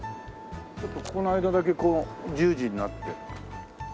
ちょっとここの間だけこう十字になって。